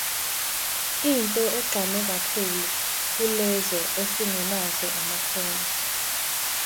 Into egqame kakhulu kulezo esingenazo amakhono.